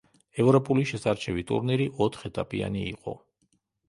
ევროპული შესარჩევი ტურნირი ოთხ ეტაპიანი იყო.